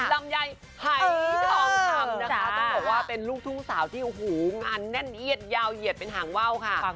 สำหรับว่าเป็นลูกทุ่งสาวที่หูน้ำแน่นแยดยาวเหยียดเป็นทางเว้าค่ะ